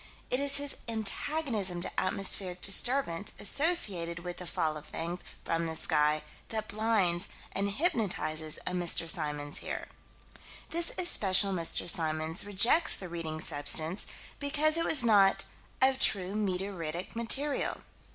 It is his antagonism to atmospheric disturbance associated with the fall of things from the sky that blinds and hypnotizes a Mr. Symons here. This especial Mr. Symons rejects the Reading substance because it was not "of true meteoritic material."